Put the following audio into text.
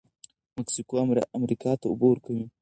مکسیکو امریکا ته اوبه ورکوي.